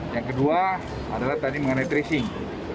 yang kedua adalah tadi mengenai tracing